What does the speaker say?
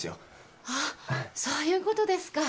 ああそういうことですか。